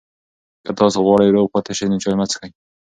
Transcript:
که تاسي غواړئ روغ پاتې شئ، نو چای مه څښئ.